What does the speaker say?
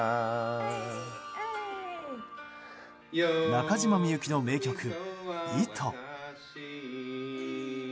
中島みゆきの名曲「糸」。